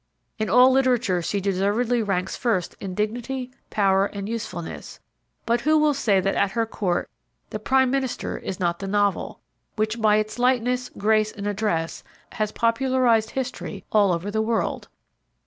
In all literature she deservedly ranks first in dignity, power and usefulness; but who will say that at her court the Prime Minister is not the Novel, which by its lightness, grace and address has popularized history all over the world?